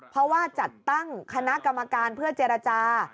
เพราะว่าจัดตั้งคณะกรรมการเพื่อเจรจา